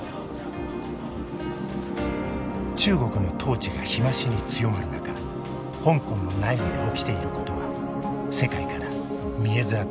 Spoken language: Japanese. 中国の統治が日増しに強まる中香港の内部で起きていることは世界から見えづらくなっている。